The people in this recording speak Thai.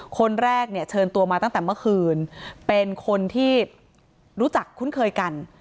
คนแรกเนี่ยเชิญตัวมาตั้งแต่เมื่อคืนเป็นคนที่รู้จักคุ้นเคยกัน